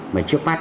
mà chưa phát